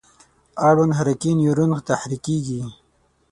اړوند حرکي نیورون تحریکیږي.